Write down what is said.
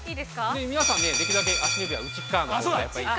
皆さん、できるだけ足の指は内っかわのほうが。